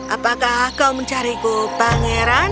apakah kau mencariku pangeran